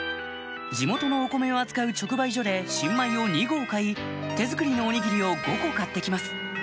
地元のお米を扱う直売所で新米を２合買い手作りのおにぎりを５個買って来ます